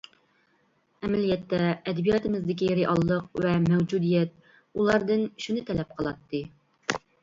ئەمەلىيەتتە ئەدەبىياتىمىزدىكى رېئاللىق ۋە مەۋجۇدىيەت ئۇلاردىن شۇنى تەلەپ قىلاتتى.